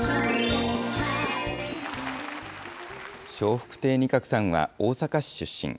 笑福亭仁鶴さんは大阪市出身。